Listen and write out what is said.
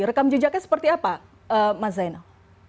rekam jejaknya seperti apa mas zainal